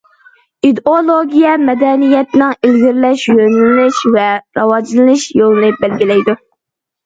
ئىدېئولوگىيە مەدەنىيەتنىڭ ئىلگىرىلەش يۆنىلىشى ۋە راۋاجلىنىش يولىنى بەلگىلەيدۇ.